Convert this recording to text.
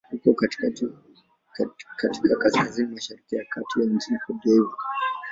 Uko katika kaskazini-mashariki ya kati ya nchi Cote d'Ivoire.